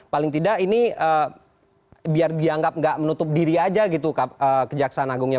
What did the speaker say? paling tidak ini biar dianggap nggak menutup diri aja gitu kejaksaan agungnya